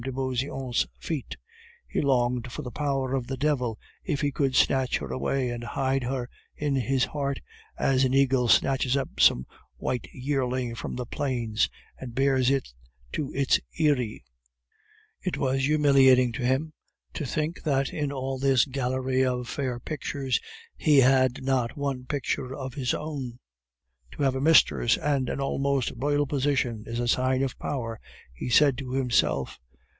de Beauseant's feet; he longed for the power of the devil if he could snatch her away and hide her in his heart, as an eagle snatches up some white yearling from the plains and bears it to its eyrie. It was humiliating to him to think that in all this gallery of fair pictures he had not one picture of his own. "To have a mistress and an almost royal position is a sign of power," he said to himself.